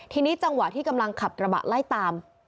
ทีนี้จังหวะที่กำลังขับกระบะไล่ตาม